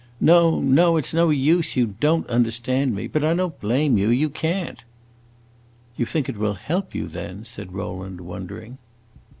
"No, no, it 's no use; you don't understand me! But I don't blame you. You can't!" "You think it will help you, then?" said Rowland, wondering.